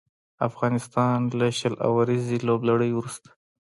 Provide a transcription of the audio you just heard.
افغانستان له شل اوريزې لوبلړۍ وروسته